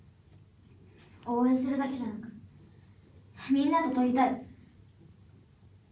応援するだけじゃなくみんなととりたい。